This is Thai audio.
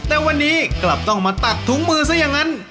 แต่วันนี้กลับต้องมาตักถุงมือซะอย่างนั้น